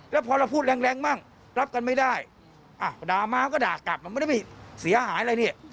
แล้วพอเราพูดแรงแรงมั่งรับกันไม่ได้ด่ามาก็ด่ากลับมันไม่ได้ไปเสียหายอะไรนี่